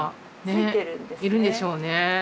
いるんでしょうね。